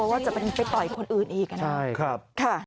คือจะปล่อยไปต่อยคนอื่นใช่ครับ